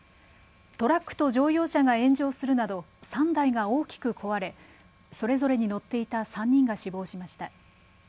トラックと乗用車が炎上するなど３台が大きく壊れそれぞれに乗っていた３人が死亡しました。